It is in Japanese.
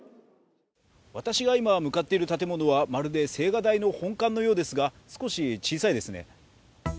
私が今向かっている建物はまるで青瓦台の本館のようですが、少し小さいですね。